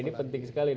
ini penting sekali